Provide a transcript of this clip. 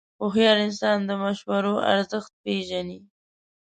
هوښیار انسان د مشورو ارزښت پېژني.